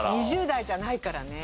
２０代じゃないからね。